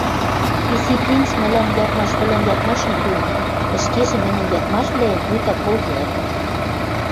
Изи принц мӹлӓм ядмаш вӹлӓн ядмашым пуэн, ӹшкежӹ мӹньӹн ядмашвлӓэм вуйта колдеӓт.